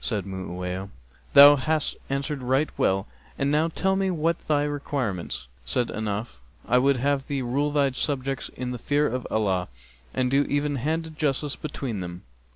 Said Mu'awiyah, 'Thou hast answered right well and now tell me what be thy requirements?' Said Ahnaf, 'I would have thee rule thy subjects in the fear of Allah and do even handed justice between them.'